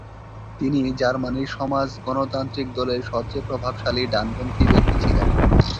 তিনি জার্মানির সমাজ-গণতান্ত্রিক দলের সবচেয়ে প্রভাবশালী ডানপন্থী ব্যক্তি ছিলেন।